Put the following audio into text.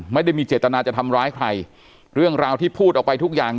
ไม่ได้มีเจตนาจะทำร้ายใครเรื่องราวที่พูดออกไปทุกอย่าง